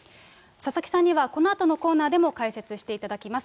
佐々木さんにはこのあとのコーナーでも解説していただきます。